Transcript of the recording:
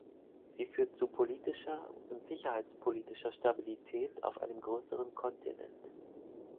Sie führt zu politischer und sicherheitspolitischer Stabilität auf einem größeren Kontinent.